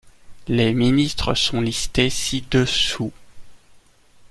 Les ministres sont listés ci dessous.